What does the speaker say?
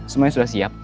semuanya sudah siap